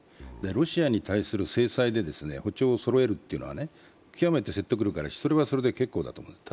ロシアに対する制裁で歩調をそろえるというのは、極めて説得力があるし、それはそれで結構だと思います。